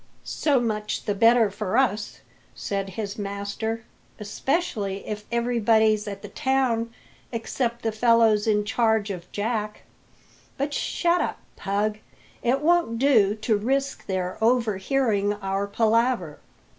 "So much the better for us," said his master; "especially if everybody's at the town except the fellows in charge of Jack. But shut up, Pug; it won't do to risk their overhearing our palaver."